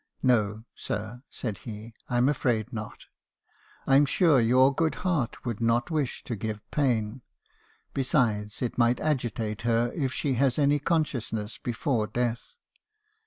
"'No, sir,' said he, 'I 'm afraid not. I am sure your good heart would not wish to give pain. Besides, it might agitate her, if she has any consciousness before death.